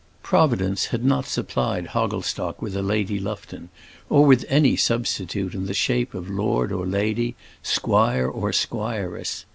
Providence had not supplied Hogglestock with a Lady Lufton, or with any substitute in the shape of lord or lady, squire or squiress.